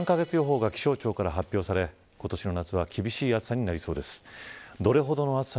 続いては、昨日３カ月予報が気象庁から発表され今年の夏は厳しい暑さになりそうです。